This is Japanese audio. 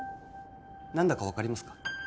何だか分かりますか？